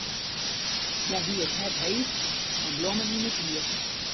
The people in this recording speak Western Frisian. Hja hie it hert heech en blommen yn it hier.